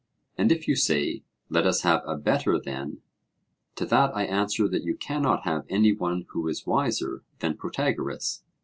And if you say, 'Let us have a better then,' to that I answer that you cannot have any one who is wiser than Protagoras.